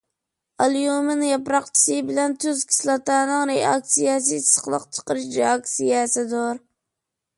ئاليۇمىن ياپراقچىسى بىلەن تۇز كىسلاتانىڭ رېئاكسىيەسى ئىسسىقلىق چىقىرىش رېئاكسىيەسىدۇر.